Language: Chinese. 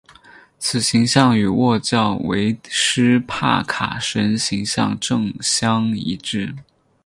此形象与祆教维施帕卡神形像正相一致。